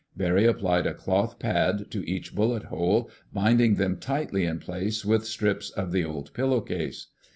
Barry applied a cloth pad to each bullet hole, binding them tightly in place with strips of the old pillowcase.